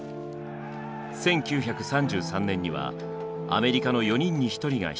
１９３３年にはアメリカの４人に１人が失業。